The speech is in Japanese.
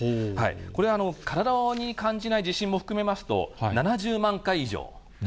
これは体に感じない地震も含めま７０万回。